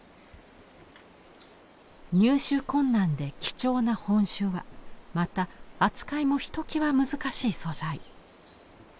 入手困難で貴重な本朱はまた扱いもひときわ難しい素材。